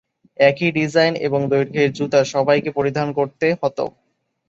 একই ডিজাইন এবং দৈর্ঘ্যের জুতা সবাইকে পরিধান করতে হতো।